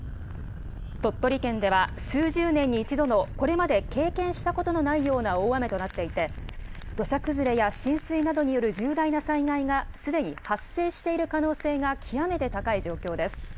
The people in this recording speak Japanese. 鳥取県では数十年に一度のこれまで経験したことのないような大雨となっていて、土砂崩れや浸水などによる重大な災害が、すでに発生している可能性が極めて高い状況です。